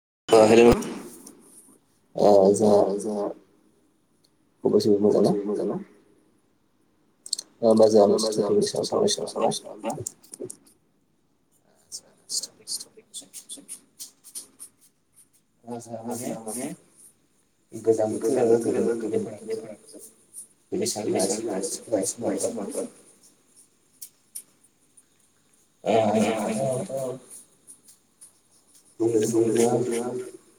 [unintelligible] खबर‌ सबर मोजां ना? अ होशंजोङा मोनसे टपिकनि ‌सायाव सावरायनोसै नामा नोंथां [unintelligible] [unintelligible] [unintelligible] बेनि साया़वनो जोंहा सावरायनोसै नामा [unintelligible] [unintelligible]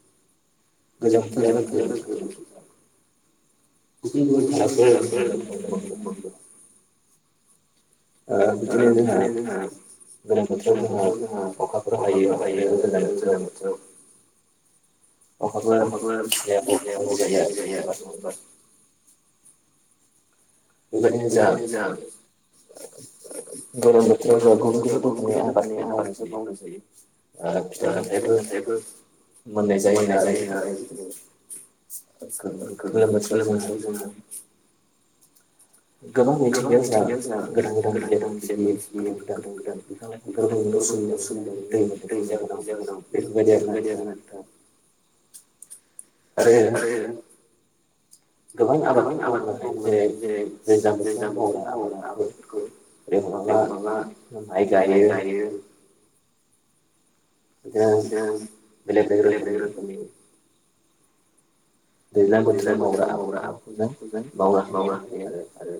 गोजां बोथोर जाबादा गोलोम बोथोर [unintelligible] ओ बिदिनो जोंहा गोजां बोथोराव जोंहा अखाफोर हायो आरो ओरै गोजां बोथोराव अखाबोे दैयाबो खम जायो नङाहोनबा। [unintelligible] गरम बोथोराव जोंहा गुबुन-गुबुन‌ रोखोमनि आबादफोर‌ मावनाय जायो। ओ फिथाइ सामथाइफोर मोननाय जायो आरो बिदिनो [unintelligible] गोबां मिथिंगायाव जोंहा गोदान-गोदान बिदइ फिबियो गोदान-गोदान बिफां लाइफांफोरबो [unintelligible] दै मोनैनि जाहोनाव बेफोरबायदि आरो दा आरो गोबां आबादफोर मावनो हायो जेरै दैजां बोथोराव मावग्रा आबादफोरखौ [unintelligible] बिदिनो बेलेग बेलेग रोखोमनि दैज्लां बोसोराव मावग्रा आब मावखौ जों मावनो हायो आरो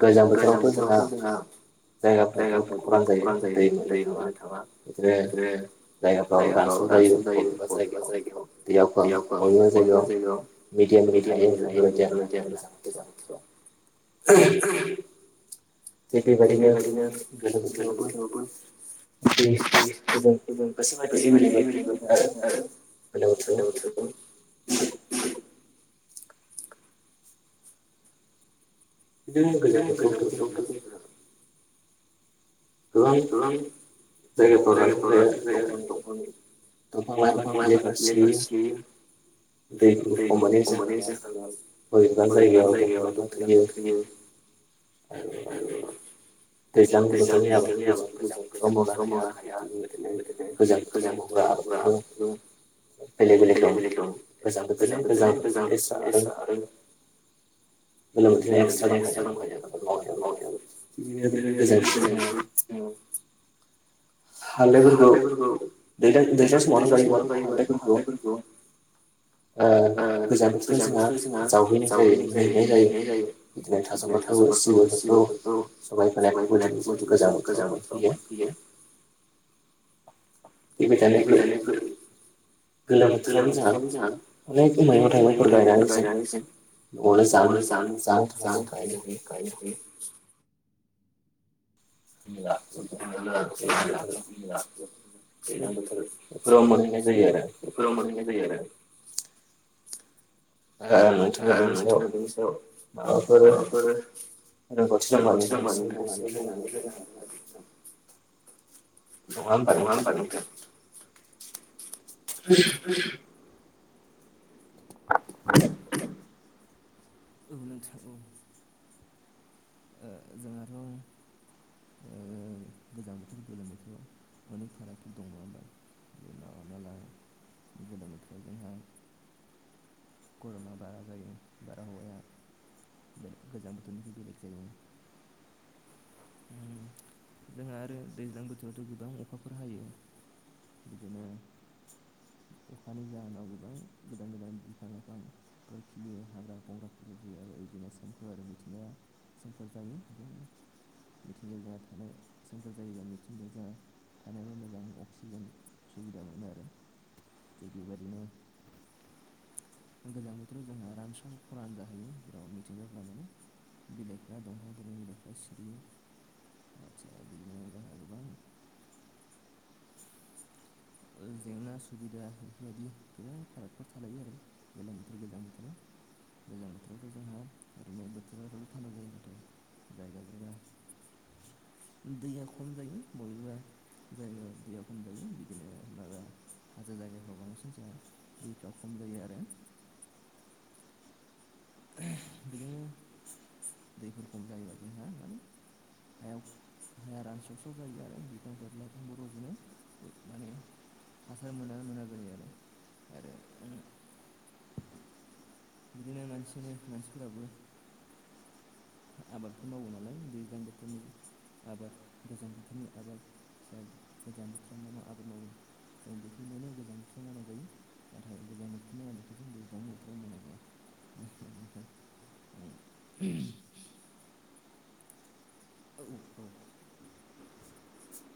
गोजां बोथोरावथ' जोंहा जायगाफ्रा बहुद खरान जायो दै मोननो थाङा बिदिनो जायगाफ्राव रानसन जायो बबेबा जायगायाव दैयावखौ आं बबेबा जायगायाव मिडियानिबो थायो आरो बेफोरबायदि आरोना गोजां [inaudible] थिग बेबायदिनो गोलो बोथोरावबो [unintelligible] गोलोम बोथोराव [unintelligible] [unintelligible] [unintelligible] दैखौ खमानि जोंहा [unintelligible] आरो दैज्लां बोथोरनि आबा जों गोजां बोथोराव मावनो हाया थिबायदिनो गोजां बोथोराव मावग्रा आबादफोरखौ बेलेग बेलेग दं गोजां बोथोरनि गोजां बोथोरनि आरो [inaudible] गोलाव बोथोर निया एस्रा [unintelligible] [unintelligible] हालदैफोरखौ दैज्लां समावनो हालदैफोरखौ ओ गोजां बोथोराव जोंहा जावहैनाय जायो मोनहैनाय जायो। बिदिनो थास'फोरखौ सिब्रुफोरखौ सबाय फायबो दिनै जों गोजां बोथोराव बनायफैयो बेनि खायनो बै गोलां बोथोराव बो जोंहा अनेख मैगं थायगंफोर गायनानै न आवनो जानो जानो थाखाय गायनो हायो। [unintelligible] [unintelligible] बेफोराव मोन्नाय जायो आरो ओ नोंथाङा बेनि सायाव माबाफोर रोंगौथि दंबा नोंथां एसे बुंनानै होनो हागोन नामा? नङा होमबा नोंथां [inaudible] औ नोंथां औ ओ जोंहाथ ओ गोजां बोथोर गोलोम बोथोराव अनेक फारागफोर दं नङा होमबा? [unintelligible] गोदोम बोथोराव जोंहा कर'मा बारा जायो बारा हौवाया बे गोजां बोथोरनिफ्राय बेलेग जायो उम जोंहा आरो दैज्लां बोथोरावथ' गोबां अखाफोर हायो बिदिनो [inaudible] अखानि जाहोनाव गोबां गोदान गोदान बिफां लाइफांफोराव खिलियो हाग्रा बंग्राफोरखौ बिदिनो सोमखोर मिथिंनाया सोमखोर जायो बिदिनो मिथिंगाया जोहा थानायानो समफोर जायोबा मिथिंग जहा थानायाबो मोजां अक्सिजेन सुबिदा मोनो आरो बेबादिनो गोजां बोथोराव जोंहा रानस्राव रान जाहैयो जेराव मिथिंगाफ्राबो बिलाइफ्रा दंफां गोरां बिलाइफ्रा सिरियो [unintelligible] जेंना सुबिदा बेफोरबायदि गोबां फारागफोर थालायो आरो दैजां बोथोर गोजां बोथोराव गोजां बोथोरावथ' जोंहा ओरैनो बोथोरा थानदा जायो नाथाय जायगा जायगा दैया खम जायो। बबेबा जायगायाव दैया खम जायो। बिदिनो ओ माबा हाजार जायगाफ्र बांसिन जाया दैफ्रा खम जायो आरो। बिदिनो दैफोर खम जायोबा जोंहा माने हायाव हाया रानसावस्राव जायो आरो। बिफांफोर लाइफांफोर र'जनो माने हासार मोना मोना जायो आरो। आरो [inaudible] बिदिनो मानसिनि मानसिफोराबो आबादफोर मावो नालाय दैज्लां बोथोरनि आबाद गोजां बोथोरनि आबाद गोजां बोथोराव मा मा आबाद मावो? जों बेखौ मोनो गोजां बोथोराव मावनाय जायो। नाथाय गोजां [unintelligible] [inaudible] [unintelligible] औ औ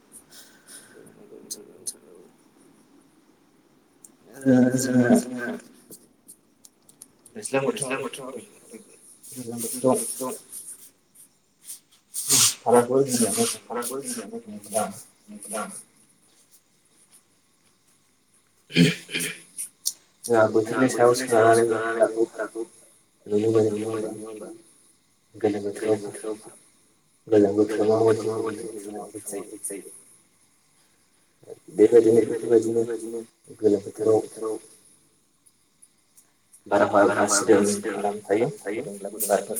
[unintelligible] [unintelligible] जोंहा दैज्लां बोथोराव आरो गोजां बोथोराव [unintelligible] [unintelligible] जोंहा बोथोरनि सायाव सोनारनानै जों फारागखौ नुनो मोनो नङा होनबा? गोलोम बोथोराव बो। गोजां बोथोराव मा बायदि जायो। गोलोम बोथोराव मा बायदि जायो। बेबायदिनो बेफोरबायदिनो गोलोम बोथाराव [unintelligible] आराम थायो गुदुं ब्लाबो बार [unintelligible] [unintelligible]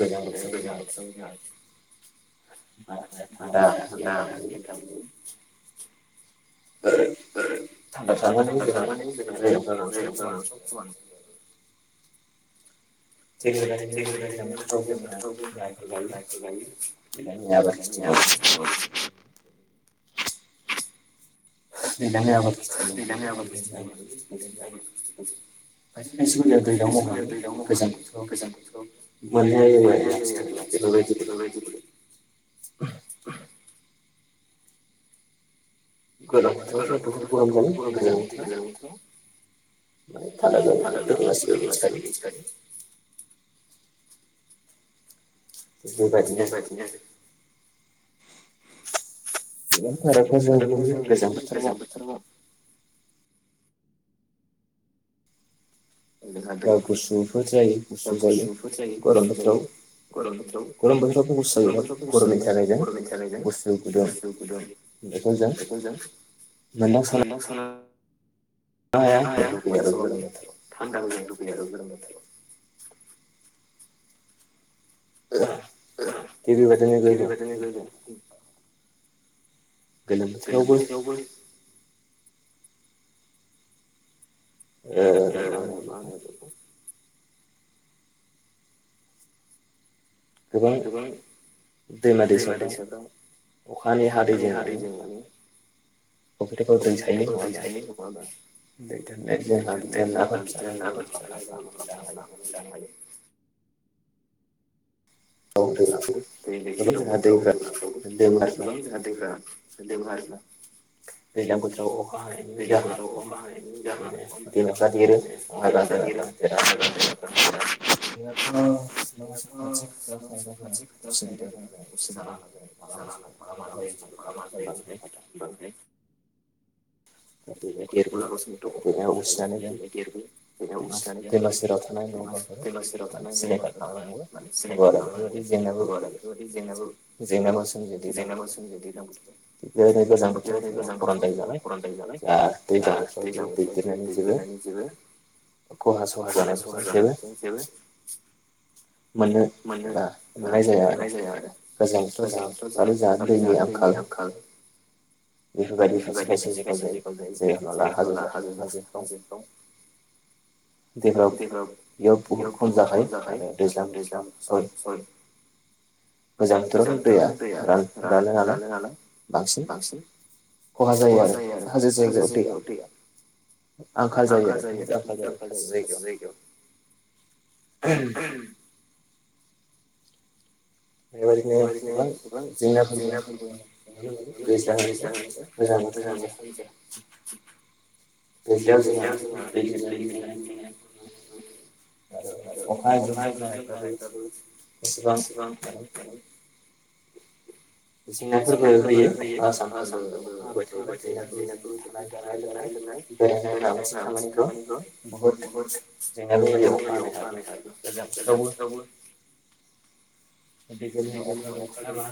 गोजां बोथोरावनो जा [unintelligible] थानदायै थायो। [unintelligible] थानदा थानानै जोंहा [unintelligible] [unintelligible] दैज्लां बोथोरावबो जोंहा मायखौ गायो। [unintelligible] आबाद खिथि मावो। [unintelligible] दैलांनि आबाद खिथिबो [unintelligible] [unintelligible] मावनानै गोजां बोथोरावनो [unintelligible] [inaudible] गरम बोथोरावथ' बुहुद गरम जायो। गोजां बोथोराव माने थानदा जायो। बेखौथ' जोंहा गासिबो मिथिखायो। बे बायदिनो [unintelligible] गोजां बोथोराव दा गुसुफोर जायो गुसु जायो गरम बोथोराव गरम बोथोरखौ [unintelligible] गरमनि थाखायनो गुसु गुदुं। बेखौ जों [unintelligible] हाया [unintelligible] [unintelligible] टिभि बाथ [unintelligible] गोलोम बैथोरायावबो ए मा होनो बेखौ गोबां दैमा दैसाफ्राव अखानि हादैजों माने फक्रिट जायो मङ दा [unintelligible] [unintelligible] दै लैथो दंगफ्राव दैमाफ्राव गोबां जाहा दैफ्रा [unintelligible] दैज्लां बोथोराव [unintelligible] [unintelligible] [unintelligible] [unintelligible] दा बेनो देरबो देरनाया उसिनानै ज दैेमा सेराव थानाय न' बां सिलिंखार खालामांबो हागौ आरो बेफोरबायदि जेंनाबो। जेंनाफोर सोमजियो दैज्लां बोथोराव थिग बेबायनो गोजां बोथोराव जोंहा खरान जायो जालाय जहा द दै जां सदि दु दिननि जब खहा सहा जानायफोरजों जेबो। मोनो एबा नुनाय जाया आरो। गोजां बोथोराव जोंहा आरो जों दैनि आंखाल। बेफोर बायदि खायसे खायसे माबला हाजो हाजोफ्राव डेभेलप बेयाव बुहुत खम जाखायो आरो रज सरि [inaudible] गोजां बोथोराव दैया रानो नालाय बांसिन खहा जायो आरो हाजो जायगायाव दैैया आंखाल जायो आरो बुहुत आंखाल जायो हाजो हाजो जायगायाव। बेबायदिनो गोबां जेंना [unintelligible] [unintelligible] आरो अखाय ज [unintelligible] एसेबां जेंनाफोरबो होयो अखा आसामफोरबो अखा होबाय थायोबा जेंनाफोर जदि थानाय जानाय लोंनाय बे आब खामानिखौ बहुत बेगयो अखा हानायखाय। गोजां बोथोरावबो [inaudible] गोद गोयाव अखा गैथाबा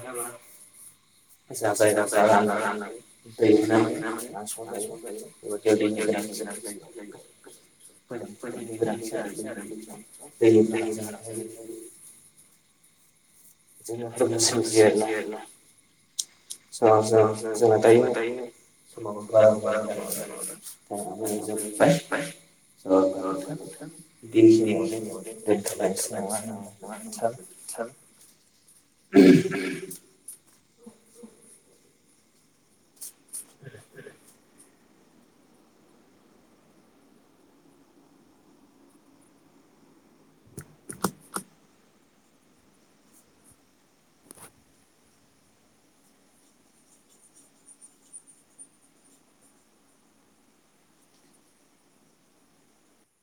जा जायगाफ्रा राननाय जायो बेबाय ग ज। [unintelligible] [inaudible] [unintelligible] स जों जोंना दायो। [unintelligible] [unintelligible] बेखिनियावनो दोनथलायसै नामा। [unintelligible] [inaudible] [inaudible]